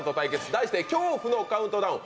題して恐怖のカウントダウン！